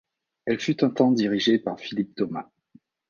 Elle fut un temps dirigée par Philippe Thomas.